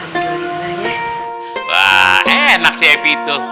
wah enak si efi itu